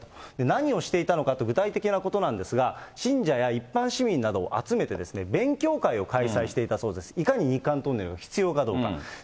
何をしていたのかと、具体的なことなんですが、信者や一般市民などを集めて、勉強会を開催していたそうです、いかに日韓トンネルが必要かどうか。